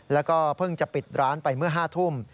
แล้วก็เพิ่งจะปิดร้านไปเมื่อ๕ทุ่ม